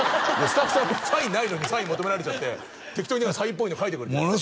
スタッフさんもサインないのにサイン求められちゃって適当に何かサインっぽいの書いてくれてたんすよ